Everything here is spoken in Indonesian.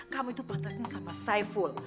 kamu itu batasnya sama saiful